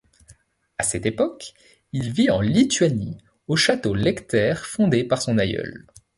À cette époque, il vit en Lituanie au château Lecter, fondé par son aïeul.